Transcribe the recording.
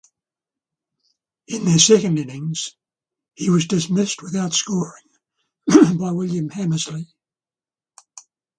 In their second innings he was dismissed without scoring by William Hammersley.